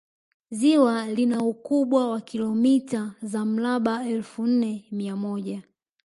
ziwa lina ukubwa wa kilomita za mraba elfu nne mia moja